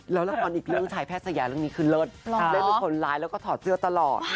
แล้วละครอีกเรื่องชายแพทยาเรื่องนี้คือเลิศเลิศเป็นคนร้ายแล้วก็ถอดเสื้อตลอด